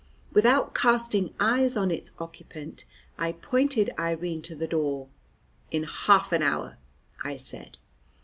Without casting eyes on its occupant, I pointed Irene to the door: "In half an hour," I said.